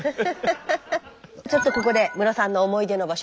ちょっとここでムロさんの思い出の場所